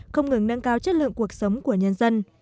không ngừng nâng cao chất lượng cuộc sống của nhân dân